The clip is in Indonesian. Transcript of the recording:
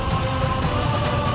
aku mau makan